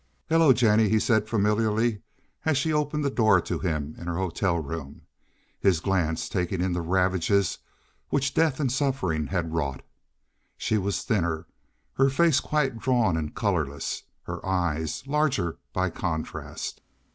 "Hello, Jennie," he said familiarly as she opened the door to him in her hotel room, his glance taking in the ravages which death and suffering had wrought. She was thinner, her face quite drawn and colorless, her eyes larger by contrast.